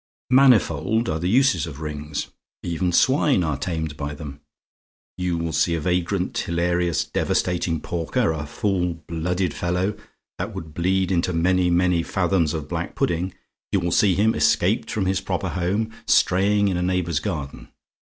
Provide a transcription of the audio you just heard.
Manifold are the uses of rings. Even swine are tamed by them. You will see a vagrant, hilarious, devastating porker a full blooded fellow that would bleed into many, many fathoms of black pudding you will see him, escaped from his proper home, straying in a neighbour's garden.